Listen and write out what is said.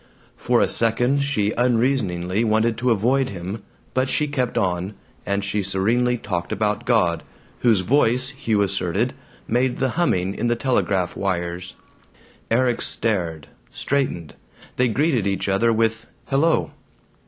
For a second she unreasoningly wanted to avoid him, but she kept on, and she serenely talked about God, whose voice, Hugh asserted, made the humming in the telegraph wires. Erik stared, straightened. They greeted each other with "Hello."